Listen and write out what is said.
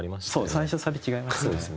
最初サビ違いますよね。